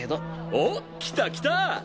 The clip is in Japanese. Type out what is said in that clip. お！来た来た！